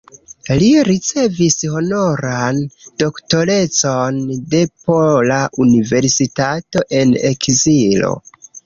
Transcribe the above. Li ricevis honoran doktorecon de Pola Universitato en Ekzilo.